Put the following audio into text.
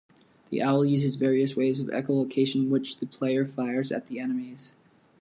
The owl uses various waves of echo-location which the player fires at the enemies.